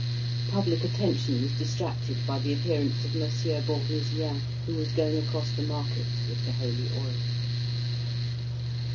Public attention was distracted by the appearance of Monsieur Bournisien, who was going across the market with the holy oil.